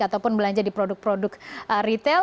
ataupun belanja di produk produk retail